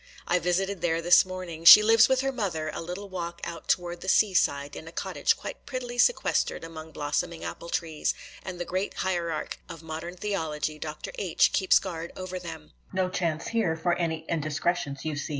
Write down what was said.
I visited there this morning. She lives with her mother, a little walk out toward the sea side in a cottage quite prettily sequestered among blossoming apple trees, and the great hierarch of modern theology, Dr. H., keeps guard over them.